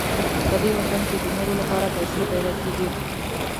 په دې وطن کې د نورو لپاره پیسې پیدا کېږي.